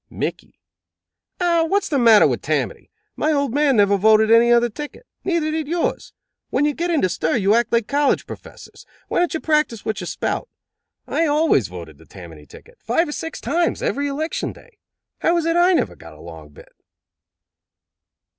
Mickey: "Ah, wat's the matter wid Tammany? My old man never voted any other ticket. Neither did yours. When you get into stir you act like college professors. Why don't you practice what you spout? I always voted the Tammany ticket five or six times every election day. How is it I never got a long bit?"